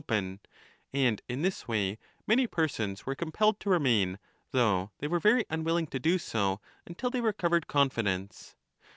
CHAPTKR 40 open ; and in this way many persons were compelled to remain, though they did so very unwillingly until they recovered confidence.